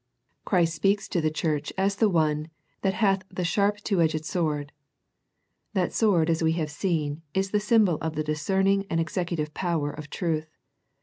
Christ speaks to the church as the One " that hath the sharp two edged sword." That sword as we have seen is the symbol of the discerning and executive power of truth.